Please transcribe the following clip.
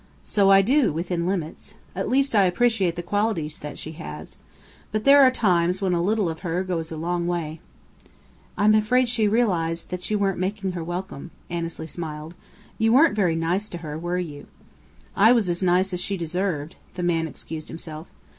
"So I do within limits. At least I appreciate qualities that she has. But there are times when a little of her goes a long way." "I'm afraid she realized that you weren't making her welcome," Annesley smiled. "You weren't very nice to her, were you?" "I was as nice as she deserved," the man excused himself.